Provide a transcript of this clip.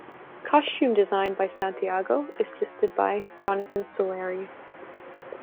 Costume Design by Santiago, assisted by Jonathan Solari.